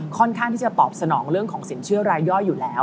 ค่อนข้างที่จะตอบสนองเรื่องของสินเชื่อรายย่อยอยู่แล้ว